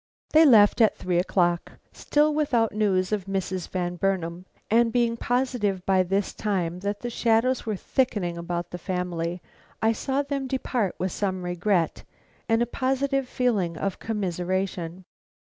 They left at three o'clock, still without news of Mrs. Van Burnam; and being positive by this time that the shadows were thickening about this family, I saw them depart with some regret and a positive feeling of commiseration.